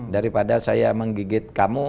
daripada saya menggigit kamu